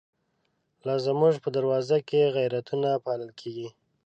لا زمونږ په دروازو کی، غیرتونه پا لل کیږی